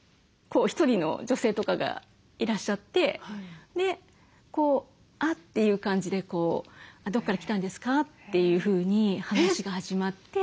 １人の女性とかがいらっしゃってあっていう感じで「どこから来たんですか？」というふうに話が始まってそこから。